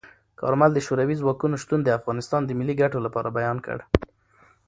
کارمل د شوروي ځواکونو شتون د افغانستان د ملي ګټو لپاره بیان کړ.